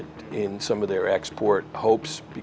dalam beberapa harapan ekspor mereka